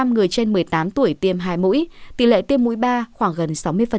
một mươi người trên một mươi tám tuổi tiêm hai mũi tỷ lệ tiêm mũi ba khoảng gần sáu mươi